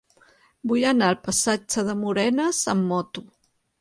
Vull anar al passatge de Morenes amb moto.